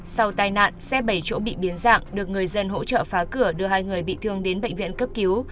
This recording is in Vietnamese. sau tai nạn xe bảy chỗ bị biến dạng được người dân hỗ trợ phá cửa đưa hai người bị thương đến bệnh viện cấp cứu